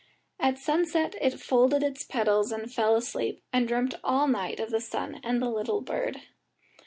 At sunset it folded its petals, and fell asleep, and dreamt all night of the sun and the little bird.